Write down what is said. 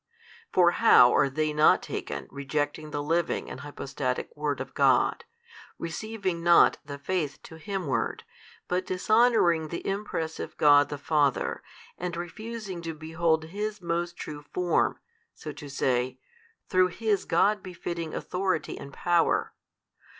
For how are they not taken rejecting the Living and Hypostatic Word of God, receiving not the faith to Him ward, but dishonouring the Impress of God the Father, and refusing to behold His most true Form (so to say) through His God befitting Authority and Power?